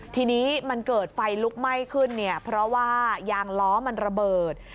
ทีนี้มันเกิดไฟลุกไหม้ขึ้นเนี่ยเพราะว่ายางล้อมันระเบิด